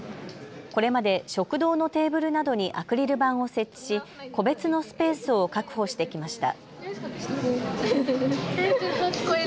これまで食堂のテーブルなどにアクリル板を設置し、個別のスペースを確保してきました。